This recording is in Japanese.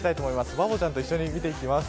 バボちゃんと一緒に見ていきます。